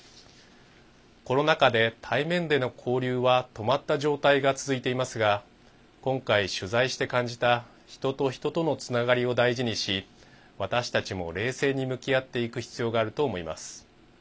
コロナ禍で対面での交流は止まった状態が続いていますが今回、取材して感じた人と人とのつながりを大事にし私たちも冷静に向き合っていく必要があると思います。